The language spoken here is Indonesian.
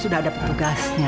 sudah ada petugasnya